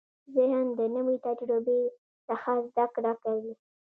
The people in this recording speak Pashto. ذهن د نوې تجربې څخه زده کړه کوي.